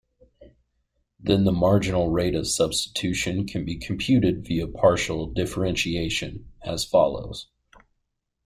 Then the marginal rate of substitution can be computed via partial differentiation, as follows.